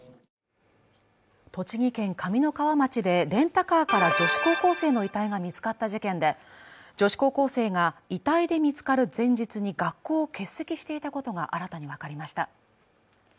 栃木県上三川町でレンタカーから女子高校生の遺体が見つかった事件で女子高校生が遺体で見つかる前日に学校を欠席していたことが新たに分かりました